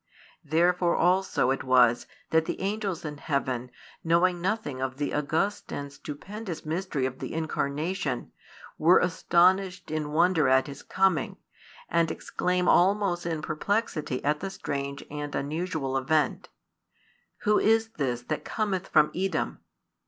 Therefore also it was that the angels in heaven, knowing nothing of the august and stupendous mystery of the Incarnation, were astonished in wonder at His coming, and exclaim almost in perplexity at the strange and unusual event: Who is this that cometh from Edom?